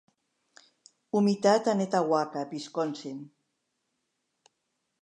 Humitat a Netawaka, Wisconsin